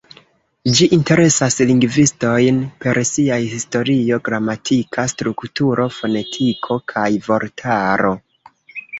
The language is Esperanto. Ĝi interesas lingvistojn per siaj historio, gramatika strukturo, fonetiko kaj vortaro.